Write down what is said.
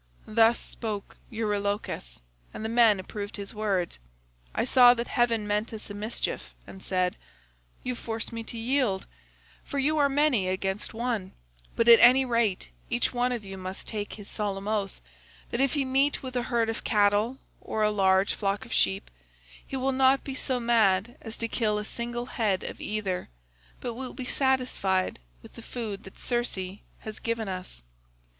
"Thus spoke Eurylochus, and the men approved his words. I saw that heaven meant us a mischief and said, 'You force me to yield, for you are many against one, but at any rate each one of you must take his solemn oath that if he meet with a herd of cattle or a large flock of sheep, he will not be so mad as to kill a single head of either, but will be satisfied with the food that Circe has given us.